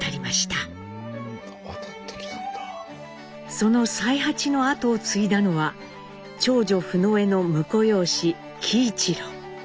その才八の後を継いだのは長女フノエの婿養子喜一郎。